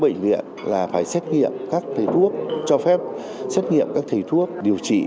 bệnh viện là phải xét nghiệm các thầy thuốc cho phép xét nghiệm các thầy thuốc điều trị